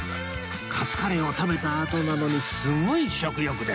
カツカレーを食べたあとなのにすごい食欲です